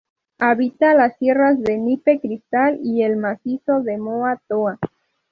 Habita las sierras de Nipe-Cristal y el macizo de Moa-Toa.